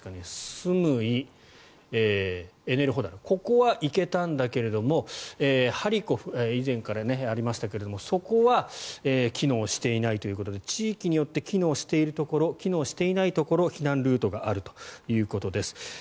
ここは行けたんだけれどもハリコフ以前からありましたがそこは機能していないということで地域によって機能しているところ機能していないところ避難ルートがあるということです。